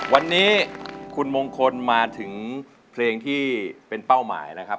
วันนี้คุณมงคลมาถึงเพลงที่เป็นเป้าหมายนะครับ